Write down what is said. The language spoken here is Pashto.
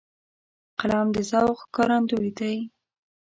قلم د ذوق ښکارندوی دی